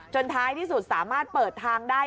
ท้ายที่สุดสามารถเปิดทางได้